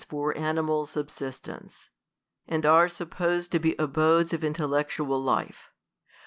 40 for animal subsistence, and arc supposed to be abodes of iiitcllectual life.